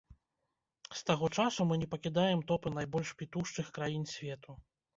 З таго часу мы не пакідаем топы найбольш пітушчых краін свету.